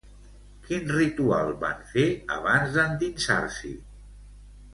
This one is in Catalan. Quin ritual van fer abans d'endinsar-s'hi?